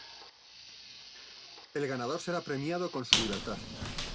El ganador será premiado con su libertad.